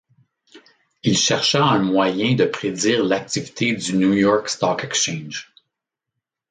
Il chercha un moyen de prédire l'activité du New York Stock Exchange.